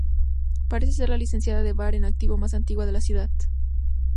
Parece ser la licencia de bar en activo más antigua de la ciudad.